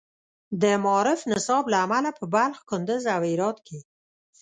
د معارف نصاب له امله په بلخ، کندز، او هرات کې